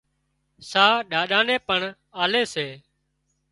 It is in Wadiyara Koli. ساهَه ڏاڏا نين پڻ آلي سي